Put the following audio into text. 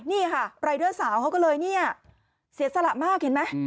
นี่ค่ะรายเดอร์สาวเขาก็เลยเนี่ยเสียสละมากเห็นไหม